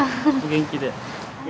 元気で！